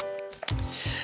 papa tanggung jawab